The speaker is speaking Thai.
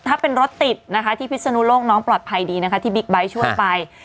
ถ้าเป็นรถติดนะคะที่พิศนุโลกน้องปลอดภัยดีนะคะที่บิ๊กไบท์ช่วยไป